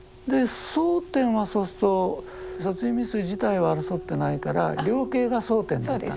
争点はそうすると殺人未遂自体は争ってないから量刑が争点だったんですね。